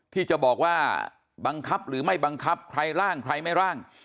ที่จะบอกว่าบังคับหรือไม่บังคับใครร่างใครไม่ร่าง